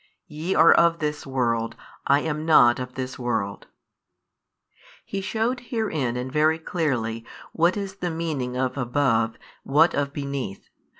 YE are of this world, I am not of this world. He shewed herein and very clearly what is the meaning of Above, what of Beneath.